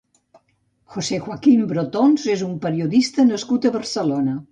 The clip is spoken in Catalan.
José Joaquín Brotons és un periodista nascut a Barcelona.